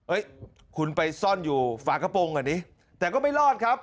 คุณไปซ่อนอยู่ฝากระโปรงอ่ะดิแต่ก็ไม่รอดครับ